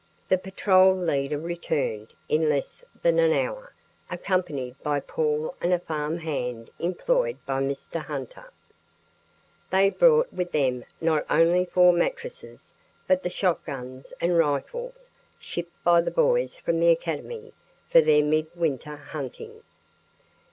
The patrol leader returned, in less than an hour, accompanied by Paul and a farm hand employed by Mr. Hunter. They brought with them not only four mattresses, but the shotguns and rifles shipped by the boys from the academy for their mid winter hunting.